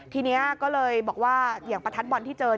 ทีนี้ก็เลยบอกว่าอย่างประทัดบอลที่เจอ